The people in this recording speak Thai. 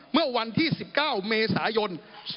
เมื่อวันที่๑๙เมษายน๒๕๖